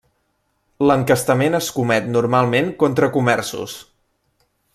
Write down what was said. L'encastament es comet normalment contra comerços.